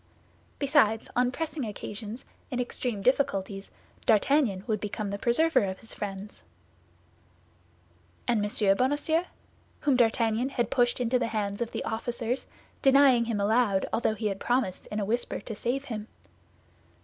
Besides, on pressing occasions, in extreme difficulties, D'Artagnan would become the preserver of his friends. And M. Bonacieux, whom D'Artagnan had pushed into the hands of the officers, denying him aloud although he had promised in a whisper to save him?